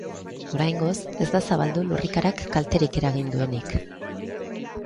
Oraingoz ez da zabaldu lurrikarak kalterik eragin duenik.